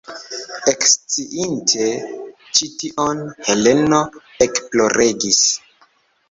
Eksciinte ĉi tion, Heleno ekploregis.